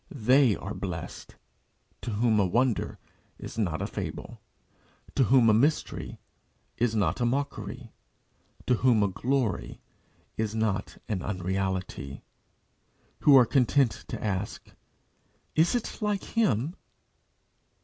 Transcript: They are blessed to whom a wonder is not a fable, to whom a mystery is not a mockery, to whom a glory is not an unreality who are content to ask, "Is it like Him?"